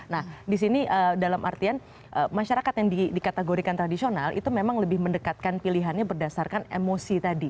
nah di sini dalam artian masyarakat yang dikategorikan tradisional itu memang lebih mendekatkan pilihannya berdasarkan emosi tadi